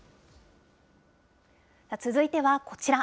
続いてはこちら。